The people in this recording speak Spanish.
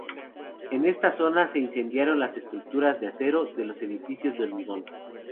En esta zona se incendiaron las estructuras de acero de los edificios de hormigón.